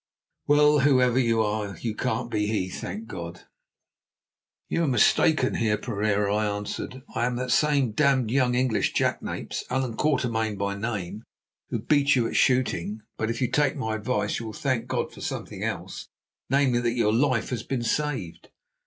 Well, whoever you are, you can't be he, thank God." "You are mistaken, Heer Pereira," I answered. "I am that same damned young English jackanapes, Allan Quatermain by name, who beat you at shooting. But if you take my advice, you will thank God for something else, namely, that your life has been saved."